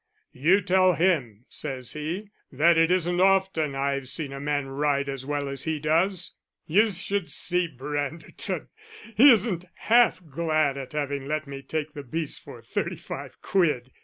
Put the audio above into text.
'You tell him,' says he, 'that it isn't often I've seen a man ride as well as he does.' You should see Branderton, he isn't half glad at having let me take the beast for thirty five quid.